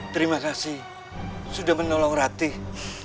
terima kasih sudah menolong ratih